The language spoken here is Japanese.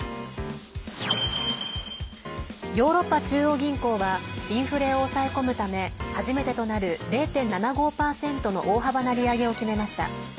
ヨーロッパ中央銀行はインフレを抑え込むため初めてとなる０．７５％の大幅な利上げを決めました。